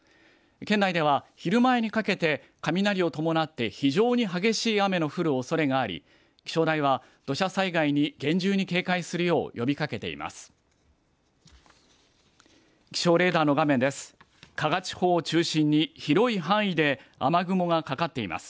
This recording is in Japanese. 県内では昼前にかけて雷を伴って非常に激しい雨の降るおそれがあり気象台は土砂災害に厳重に警戒するよう呼びかけています。